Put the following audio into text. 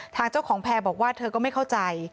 ทางเจ้าของแพร่บอกว่าเธอก็ไม่เข้าใจ